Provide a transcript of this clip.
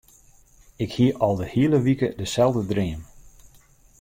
Ik hie al de hiele wike deselde dream.